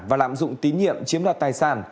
và lạm dụng tín nhiệm chiếm đoạt tài sản